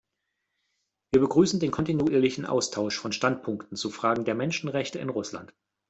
Wir begrüßen den kontinuierlichen Austausch von Standpunkten zu Fragen der Menschenrechte in Russland.